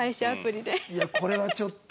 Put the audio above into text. いやこれはちょっと。